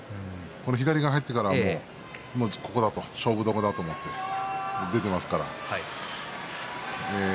左が入ってからは勝負どころだと思って出ていますね。